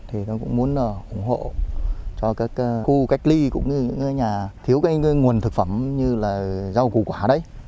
thì nó cũng muốn ủng hộ cho các khu cách ly cũng như những nhà thiếu cái nguồn thực phẩm như là rau củ quả đấy